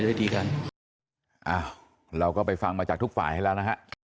ได้ตีกันอ้าวเราก็ไปฟังมาจากทุกฝ่ายให้แล้วนะฮะ